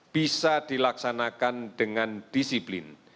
bisa dilaksanakan dengan disiplin